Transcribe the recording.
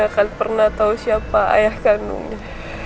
dia gak akan pernah tau siapa ayah kandungnya